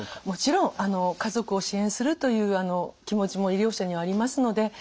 もちろん家族を支援するという気持ちも医療者にはありますので。